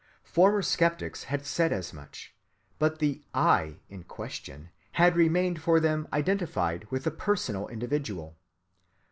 Former skeptics had said as much, but the "I" in question had remained for them identified with the personal individual.